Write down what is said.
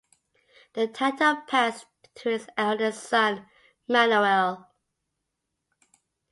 The title passed to his eldest son, Manuel.